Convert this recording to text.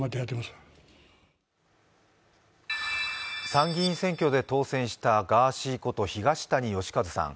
参議院選挙で当選したガーシーこと東谷義和さん。